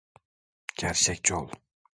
Gerçekçi ol.